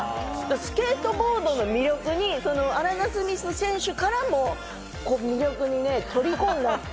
スケートボードの魅力にアラナ・スミス選手から魅力に取り込んだって。